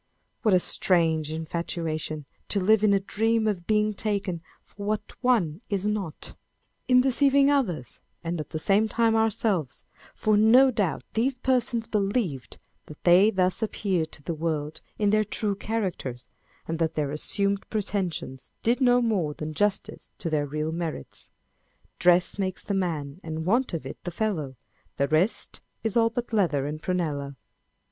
What a strange infatuation to live in a dream of being taken for what one is not, â€" in deceiving others, and at the same time ourselves ; for no doubt these persons believed that they thus appeared to the world in their true characters, and that their assumed pretensions did no more than justice to their real merits. Dress makes the man, and want of it the fellow : The rest is all but leather and prunella.